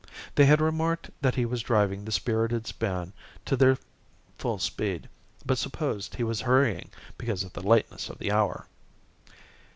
They had remarked that he was driving the spirited span to their full speed, but supposed he was hurrying because of the lateness of the hour.